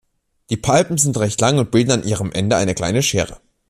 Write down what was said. Die Palpen sind recht lang und bilden an ihrem Ende eine kleine Schere.